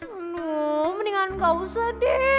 aduh mendingan gak usah deh